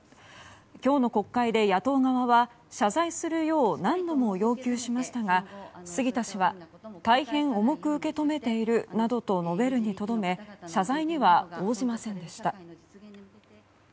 今日の国会で野党側は謝罪するよう何度も要求しましたが杉田氏は大変重く受け止めているなどと述べるにとどめ謝罪には応じませんでした。